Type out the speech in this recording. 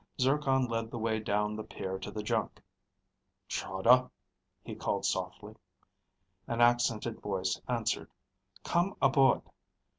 Zircon led the way down the pier to the junk. "Chahda?" he called softly. An accented voice answered, "Come aboard."